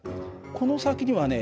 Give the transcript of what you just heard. この先にね